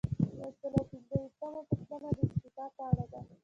یو سل او پنځه ویشتمه پوښتنه د استعفا په اړه ده.